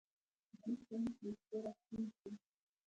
بېرته مکې ته راستون شو.